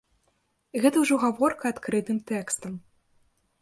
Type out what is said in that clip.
Гэта ўжо гаворка адкрытым тэкстам.